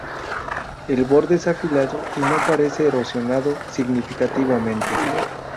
El borde es afilado y no aparece erosionado significativamente.